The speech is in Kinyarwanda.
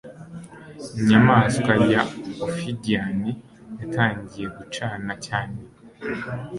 Inyamaswa ya ophidian yatangiye gucana cyane,